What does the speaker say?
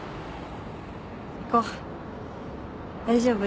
行こう大丈夫？